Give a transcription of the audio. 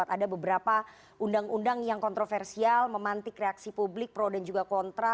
ada beberapa undang undang yang kontroversial memantik reaksi publik pro dan juga kontra